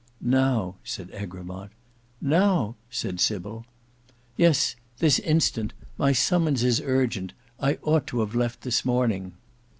"Now," said Egremont. "Now!" said Sybil. "Yes; this instant. My summons is urgent. I ought to have left this morning.